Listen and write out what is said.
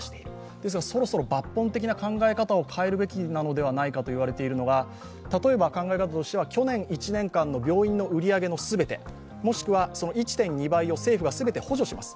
ですがそろそろ抜本的な考え方を変えるべきではないかといわれているのが例えば考え方としては去年１年間の病院の売り上げの全てもしくは、その１．２倍を政府が全て補助します。